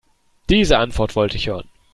Diese Antwort wollte ich hören.